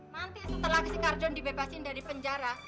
nanti setelah si karjon dibebasin dari penjara